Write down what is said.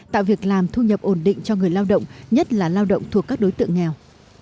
tạo việc làm thu nhập ổn định cho người lao động nhất là lao động thuộc các đối tượng nghèo